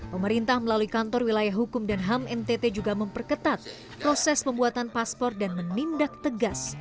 pemerintah melalui kantor wilayah hukum dan ham ntt juga memperketat proses pembuatan paspor dan menindak tegas